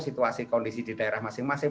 situasi kondisi di daerah masing masing